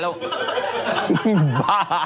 บ้า